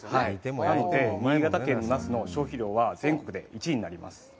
なので、新潟県のナスの消費量は全国で１位になります。